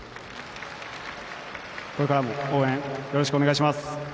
これからも応援よろしくお願いします。